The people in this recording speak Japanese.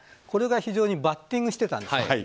これが非常にバッティングしてたんです。